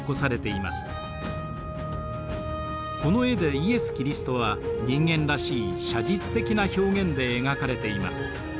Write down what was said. この絵でイエス・キリストは人間らしい写実的な表現で描かれています。